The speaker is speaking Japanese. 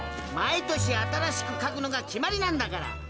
毎年新しく書くのが決まりなんだから。